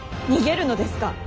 逃げるのですか。